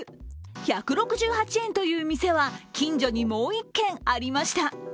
１６８円という店は近所にもう１軒ありました。